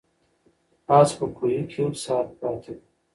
آس په کوهي کې یو ساعت پاتې و.